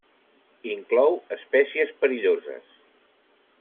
Inclou espècies perilloses.